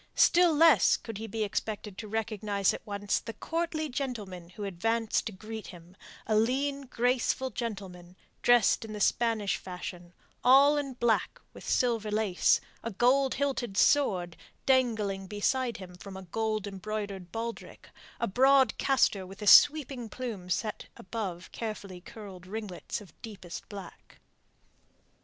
Still less could he be expected to recognize at once the courtly gentleman who advanced to greet him a lean, graceful gentleman, dressed in the Spanish fashion, all in black with silver lace, a gold hilted sword dangling beside him from a gold embroidered baldrick, a broad castor with a sweeping plume set above carefully curled ringlets of deepest black.